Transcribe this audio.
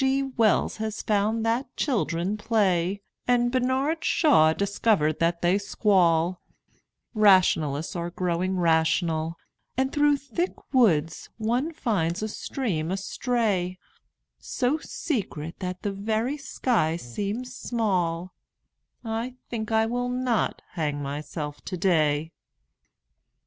G. Wells has found that children play, And Bernard Shaw discovered that they squall; Rationalists are growing rational And through thick woods one finds a stream astray, So secret that the very sky seems small I think I will not hang myself today.